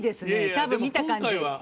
多分見た感じ。